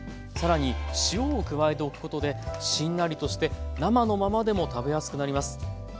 更に塩を加えておくことでしんなりとして生のままでも食べやすくなります。